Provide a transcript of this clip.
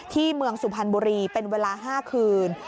เมืองสุพรรณบุรีเป็นเวลา๕คืน